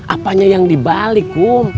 apanya yang dibalik kum